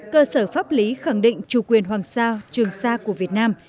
cơ sở pháp lý khẳng định chủ quyền hoàng sa trường sa của việt nam